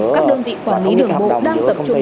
các đơn vị quản lý đường bộ đang tập trung